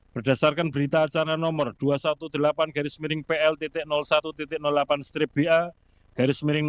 berdasarkan berita acara nomor dua ratus delapan belas pl satu delapan ba lima dua ribu dua puluh empat